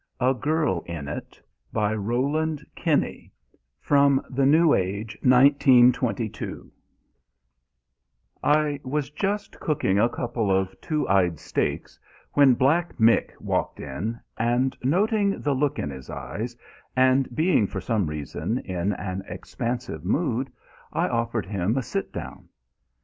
A GIRL IN IT By ROWLAND KENNEY (From The New Age) 1922 I was just cooking a couple of two eyed steaks when Black Mick walked in, and, noting the look in his eyes and being for some reason in an expansive mood, I offered him a sit down.